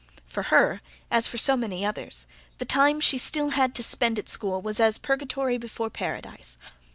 For her, as for so many others, the time she had still to spend at school was as purgatory before paradise.